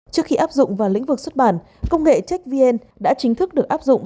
trước khi áp dụng vào lĩnh vực xuất bản công nghệ checkvn đã chính thức được áp dụng